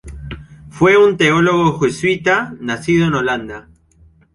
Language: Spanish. Fue un teólogo jesuita nacido en Holanda.